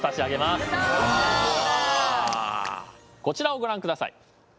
こちらをご覧ください。